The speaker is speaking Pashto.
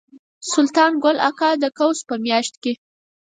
سلطان ګل اکا به د قوس په میاشت کې.